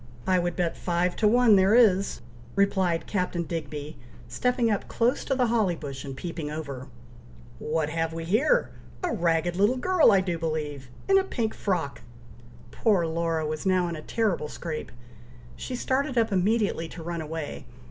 I would bet five to one there is!" replied Captain Digby, stepping up, close to the holly bush, and peeping over: "What have we here! a ragged little girl, I do believe! in a pink frock!" Poor Laura was now in a terrible scrape; she started up immediately to run away.